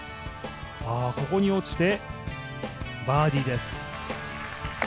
ここに落ちて、バーディーです。